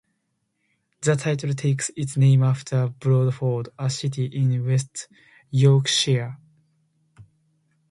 The title takes its name after Bradford, a city in West Yorkshire.